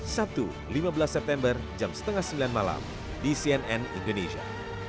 sabtu lima belas september jam setengah sembilan malam di cnn indonesia